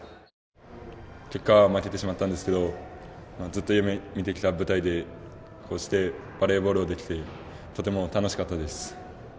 結果は負けてしまったんですけどずっと夢見てきた舞台でこうしてバレーボールができてとても楽しかったです。